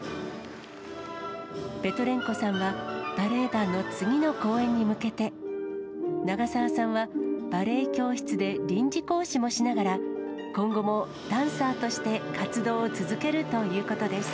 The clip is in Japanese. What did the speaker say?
ペトレンコさんは、バレエ団の次の公演に向けて、長澤さんはバレエ教室で臨時講師もしながら、今後もダンサーとして活動を続けるということです。